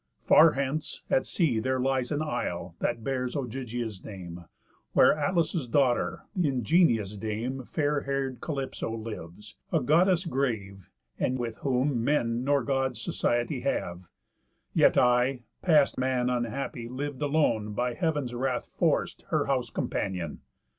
Far hence, at sea, There lies an isle, that bears Ogygia's name, Where Atlas' daughter, the ingenious dame, Fair hair'd Calypso lives; a Goddess grave, And with whom men nor Gods society have; Yet I, past man unhappy, liv'd alone, By Heav'n's wrath forc'd, her house companion.